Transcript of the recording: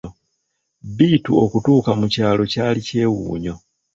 Bittu okutuuka mu kyalo kyali kyewuunyo.